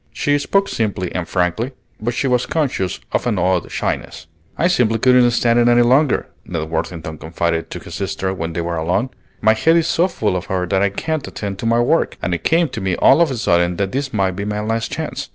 She spoke simply and frankly, but she was conscious of an odd shyness. "I simply couldn't stand it any longer," Ned Worthington confided to his sister when they were alone. "My head is so full of her that I can't attend to my work, and it came to me all of a sudden that this might be my last chance.